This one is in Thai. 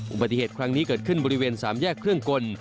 อุบัติเหตุครั้งนี้เกิดขึ้นบริเวณ๓แยกเครื่องกล